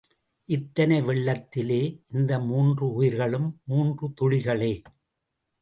இத்தனை வெள்ளத்திலே இந்த மூன்று உயிர்களும் மூன்று துளிகளே!